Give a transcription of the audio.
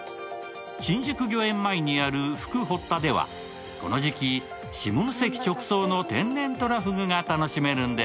新宿御苑前にあるふく堀田ではこの時期、下関直送の天然とらふぐが楽しめるんです。